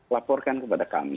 laporkan kepada kantor